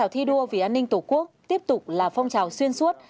thi đua vì an ninh tổ quốc tiếp tục là phong trào xuyên suốt